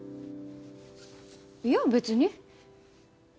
いや別に。